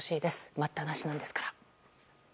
待ったなしなんですから。